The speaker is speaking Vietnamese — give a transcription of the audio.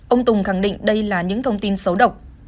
ông tùng khẳng định đây là những thông tin xấu độc